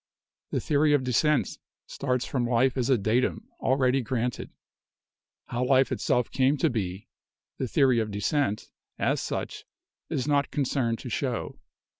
The theory of descent starts from life as a 'datum' already granted. How life itself came to be, the theory of descent, as such, is not concerned to show.